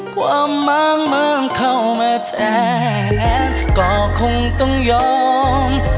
ความมั่งเมื่อเข้ามาแทนก็คงต้องยอม